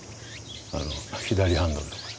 あの左ハンドルとかさ。